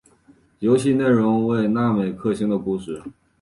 游戏内容为那美克星的故事。